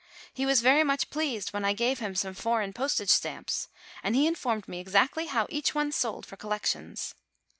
He was very much pleased when I gave him some foreign postage stamps ; and he informed me exactly how each one sold for collections.